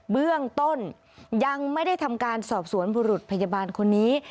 เบื้องต้นยังไม่ได้ทำการสอบสวนบุรุษพยาบาลคนนี้